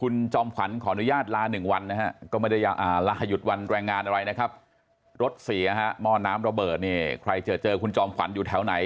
น้ำระเบิดเนี่ยใครเจอคุณจอมขวัญอยู่แถวไหน